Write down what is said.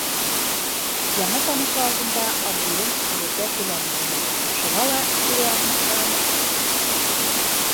Яңы танышы алдында абруйын төшөрөргә теләмәне ул. Шуға ла тирә-яғына ҡаранып: